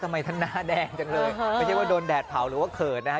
ทำไมท่านหน้าแดงจังเลยไม่ใช่ว่าโดนแดดเผาหรือว่าเขินนะฮะ